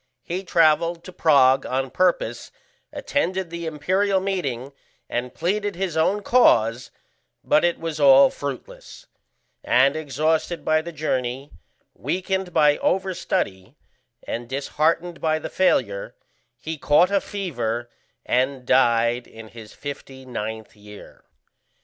He travelled to Prague on purpose, attended the imperial meeting, and pleaded his own cause, but it was all fruitless; and exhausted by the journey, weakened by over study, and disheartened by the failure, he caught a fever, and died in his fifty ninth year.